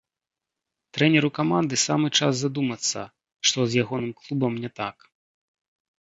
Трэнеру каманды самы час задумацца, што з ягоным клубам не так.